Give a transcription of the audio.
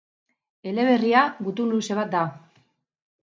Eleberria gutun luze bat da.